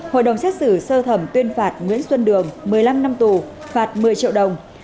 hội đồng xét xử sơ thẩm tuyên phạt nguyễn xuân đường một mươi năm năm tù phạt một mươi triệu đồng